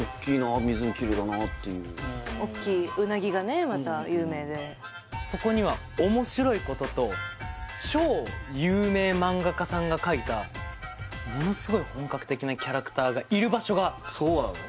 いやおっきいなおっきいうなぎがねまた有名でそこには面白いことと超有名漫画家さんが描いたものすごい本格的なキャラクターがいる場所がそうなの？